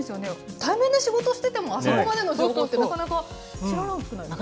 対面で仕事をしてても、あそこまでの情報ってなかなか知らなくないですか。